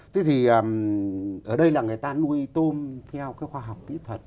thế thì ở đây là người ta nuôi tôm theo cái khoa học kỹ thuật